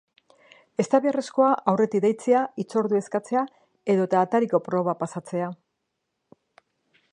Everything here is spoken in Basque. Ez da beharrezkoa aurretik deitzea, hitzordua eskatzea edota atariko proba pasatzea.